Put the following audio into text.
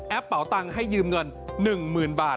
เป๋าตังค์ให้ยืมเงิน๑๐๐๐บาท